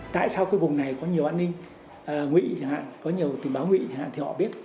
tại sao cái vùng này có nhiều an ninh ngụy chẳng hạn có nhiều tình báo ngụy chẳng hạn thì họ biết